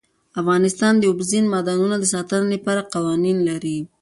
افغانستان د اوبزین معدنونه د ساتنې لپاره قوانین لري.